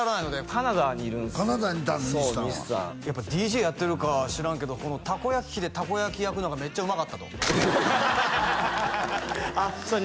カナダにいたんだ西さんはやっぱＤＪやってるか知らんけどこのたこ焼き器でたこ焼き焼くのがめっちゃうまかったとあっそれ